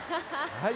はい！